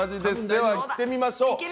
ではいってみましょう。